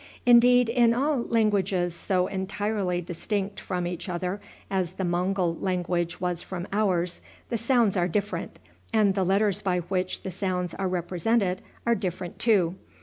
Indeed, in all languages so entirely distinct from each other as the Mongul language was from ours, the sounds are different, and the letters by which the sounds are represented are different too.